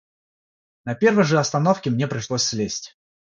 На первой же остановке мне пришлось слезть.